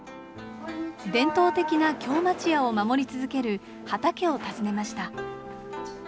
伝統的な京町家を守り続ける秦家を訪ねました。